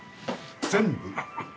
全部？